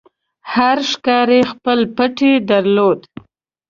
هر ښکاري خپل پټی درلود.